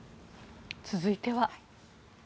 続いては。